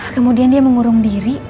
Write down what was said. kemudian dia mengurung diri